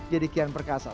jadi kian perkasa